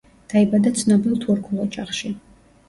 დაიბადა ცნობილ თურქულ ოჯახში.